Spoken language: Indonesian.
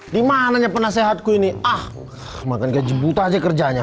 dimananya penasehatku ini ah makan gaji buta aja kerjanya